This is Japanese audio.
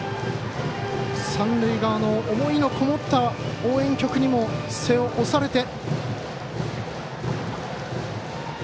三塁側の思いのこもった応援曲にも背を押されて。